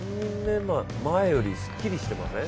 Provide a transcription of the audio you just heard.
前よりすっきりしていません？